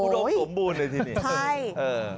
ผู้โดบสมบูรณ์เลยที่นี่